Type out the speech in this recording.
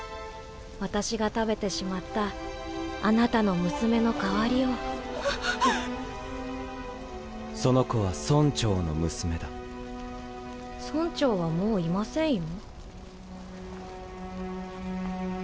私が食べてしまったあなたの娘の代わりをハッその子は村長の娘だ村長はもういませんよ？